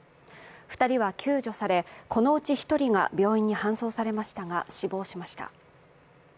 ２人は救助され、このうち１人が病院に搬送されましたが、死亡しました。